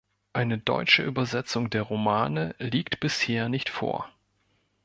Eine deutsche Übersetzung der Romane liegt bisher nicht vor.